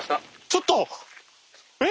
ちょっと！え？